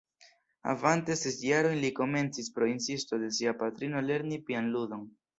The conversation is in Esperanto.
Havante ses jarojn li komencis pro insisto de sia patrino lerni pianludon.